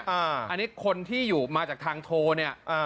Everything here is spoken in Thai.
อันนี้คนที่อยู่มาจากทางโทรเนี่ย